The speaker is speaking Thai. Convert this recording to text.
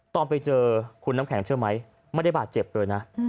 ตอนไปเจอคุณน้ำแข็งเชื่อไหมไม่ได้บาดเจ็บเลยนะ